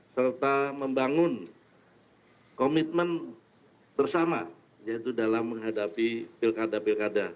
serta membangun komitmen bersama yaitu dalam menghadapi pilkada pilkada